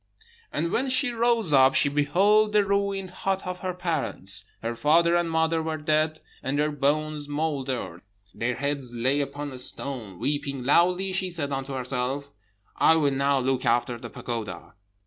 "And when she rose up she beheld the ruined hut of her parents. Her father and mother were dead, and their bones mouldered; their heads lay upon a stone. Weeping loudly, she said unto herself, 'I will now look after the pagoda.'